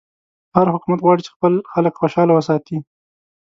هر حکومت غواړي چې خپل خلک خوشحاله وساتي.